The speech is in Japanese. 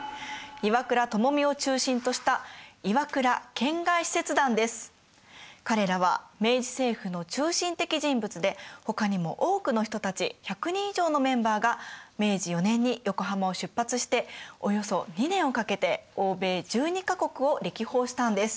岩倉具視を中心とした彼らは明治政府の中心的人物でほかにも多くの人たち１００人以上のメンバーが明治４年に横浜を出発しておよそ２年をかけて欧米１２か国を歴訪したんです。